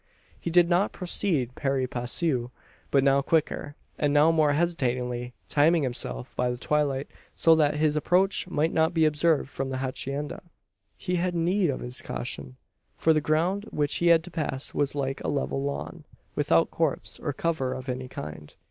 He did not proceed pari passu; but now quicker, and now more hesitatingly timing himself, by the twilight so that his approach might not be observed from the hacienda. He had need of this caution: for the ground which he had to pass was like a level lawn, without copse or cover of any kind.